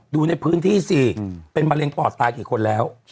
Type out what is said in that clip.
ดูในพื้นที่สิเป็นมะเร็งปอดตายกี่คนแล้ว